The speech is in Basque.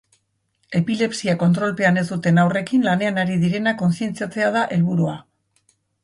Epilepsia kontrolpean ez duten haurrekin lanean ari direnak konzienziatzea da helburua.